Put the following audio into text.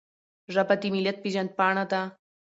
ژبه د ملت پیژند پاڼه ده.